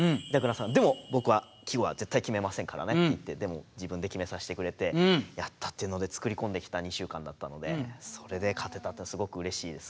「でも僕は季語は絶対決めませんからね」っていって自分で決めさせてくれてやったっていうので作り込んできた２週間だったのでそれで勝てたってすごくうれしいですね。